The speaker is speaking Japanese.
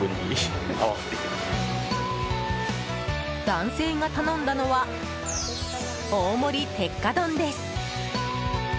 男性が頼んだのは大盛り鉄火丼です。